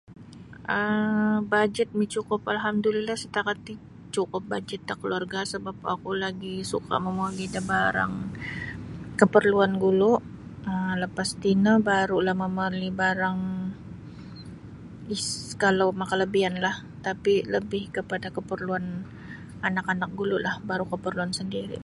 um bajet micukup alhamdulillah satakat ti cukup bajet da kaluarga' sabap oku lagi suka' momoli da barang kaparluan gulu um lapas tino baru'lah momoli barang is kalau makalabianlah tapi' lebih kepada kaparluan anak-anak gulu'lah baru' kaparluan sandiri'.